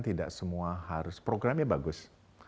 tidak semua harus programnya bagus